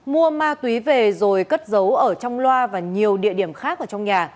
mua ma túy về rồi cất giấu ở trong loa và nhiều địa điểm khác ở trong nhà